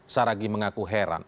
saragi mengaku heran